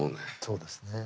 そうですね。